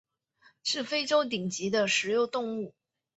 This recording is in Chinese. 是非洲顶级的食肉动物。